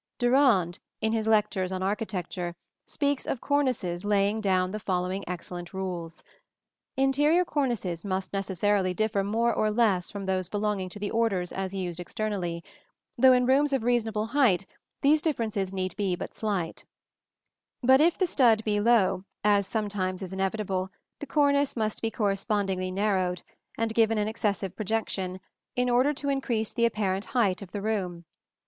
Durand, in his lectures on architecture, in speaking of cornices lays down the following excellent rules: "Interior cornices must necessarily differ more or less from those belonging to the orders as used externally, though in rooms of reasonable height these differences need be but slight; but if the stud be low, as sometimes is inevitable, the cornice must be correspondingly narrowed, and given an excessive projection, in order to increase the apparent height of the room.